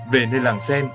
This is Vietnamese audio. về nơi làng